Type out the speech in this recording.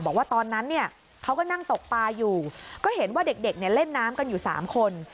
บอกว่าตอนนั้นเนี่ยเขาก็นั่งตกปลาอยู่ก็เห็นว่าเด็กเนี่ยเล่นน้ำกันอยู่๓คน